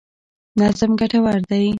نظم ګټور دی.